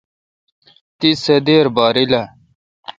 تی سہ درے باریل آ؟